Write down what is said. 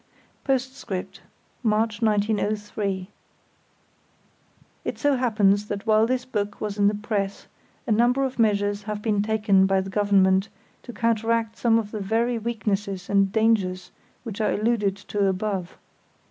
Postscript (March 1903) It so happens that while this book was in the press a number of measures have been taken by the Government to counteract some of the very weaknesses and dangers which are alluded to above.